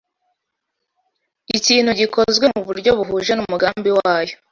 Ikintu gikozwe mu buryo buhuje n’umugambi wayo